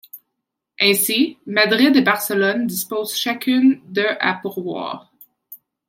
Ainsi, Madrid et Barcelone disposent chacune de à pourvoir.